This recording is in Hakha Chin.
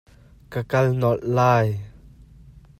Ka kal nolh lai.